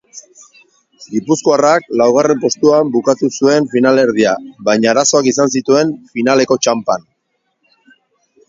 Gipuzkoarrak laugarren postuan bukatu zuen finalerdia baina arazoak izan zituen finaleko txanpan.